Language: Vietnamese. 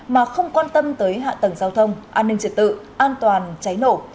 mà không quan tâm tới hạ tầng giao thông an ninh trật tự an toàn cháy nổ